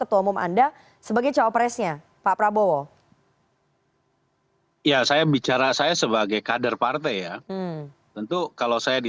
mengangkut dengan soal pengulihan ekonomi